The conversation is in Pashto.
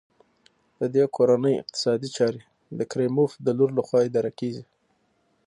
د دې کورنۍ اقتصادي چارې د کریموف د لور لخوا اداره کېږي.